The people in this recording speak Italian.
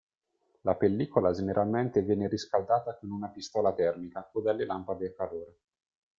La pellicola generalmente viene riscaldata con una pistola termica o delle lampade a calore.